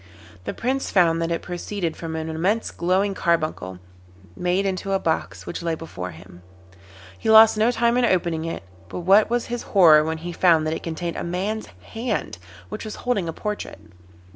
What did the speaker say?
The Prince found that it proceeded from an immense glowing carbuncle, made into a box, which lay before him. He lost no time in opening it, but what was his horror when he found that it contained a man's hand, which was holding a portrait.